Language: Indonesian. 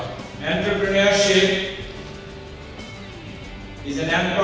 ini adalah agama yang terutama memfokuskan dan memfokuskan pada kerja